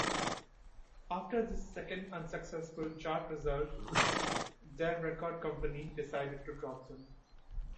After this second unsuccessful chart result, their record company decided to drop them.